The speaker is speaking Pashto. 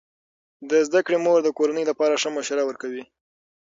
د زده کړې مور د کورنۍ لپاره ښه مشوره ورکوي.